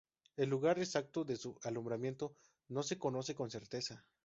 El lugar exacto de su alumbramiento no se conoce con certeza.